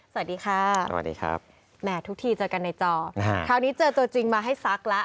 สวัสดีครับแหมดทุกทีเจอกันในจอคราวนี้เจอตัวจริงมาให้ซักละ